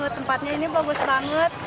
tempatnya ini bagus banget